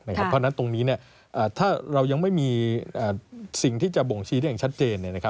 เพราะฉะนั้นตรงนี้ถ้าเรายังไม่มีสิ่งที่จะบ่งชี้ได้อย่างชัดเจน